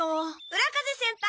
浦風先輩！